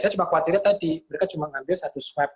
saya cuma khawatirnya tadi mereka cuma ngambil satu swab